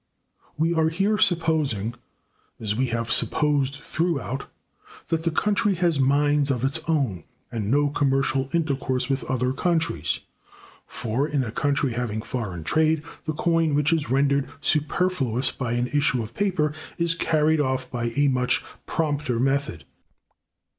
We are here supposing, as we have supposed throughout, that the country has mines of its own, and no commercial intercourse with other countries; for, in a country having foreign trade, the coin which is rendered superfluous by an issue of paper is carried off by a much prompter method.